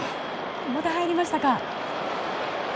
また入りましたか。